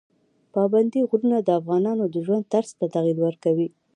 پابندي غرونه د افغانانو د ژوند طرز ته تغیر ورکوي.